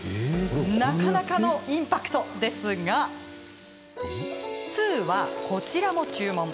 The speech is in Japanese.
なかなかのインパクトですが通は、こちらも注文。